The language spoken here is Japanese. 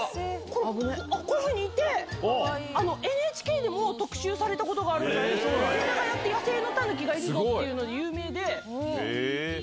こういうふうにいてＮＨＫでも特集されたことがあるぐらい世田谷って野生のタヌキがいるので有名で。